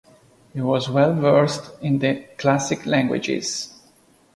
He was well versed in the classic languages.